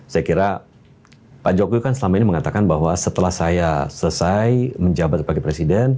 saya kira pak jokowi kan selama ini mengatakan bahwa setelah saya selesai menjabat sebagai presiden